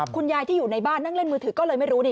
คุณยายที่อยู่ในบ้านนั่งเล่นมือถือก็เลยไม่รู้นี่